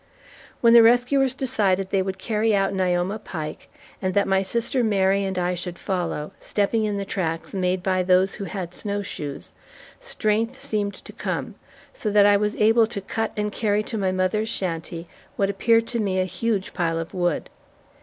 When the rescuers decided they would carry out Nioma Pike, and that my sister Mary and I should follow, stepping in the tracks made by those who had snowshoes, strength seemed to come, so that I was able to cut and carry to my mother's shanty what appeared to me a huge pile of wood.